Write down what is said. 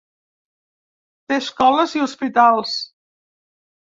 Té escoles i hospitals.